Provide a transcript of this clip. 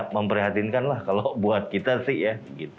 memperhatinkan lah kalau buat kita sih